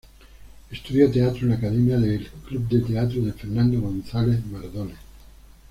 Estudió teatro en la Academia de Club de Teatro de Fernando González Mardones.